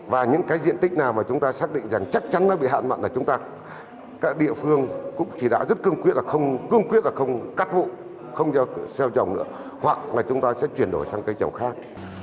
và những cái diện tích nào mà chúng ta xác định rằng chắc chắn nó bị hạn mặn là chúng ta cả địa phương cũng chỉ đã rất cương quyết là không cắt vụ không gieo xeo chồng nữa hoặc là chúng ta sẽ chuyển đổi sang cái chồng khác